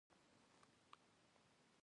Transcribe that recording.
ایا زه کله درمل پریښودلی شم؟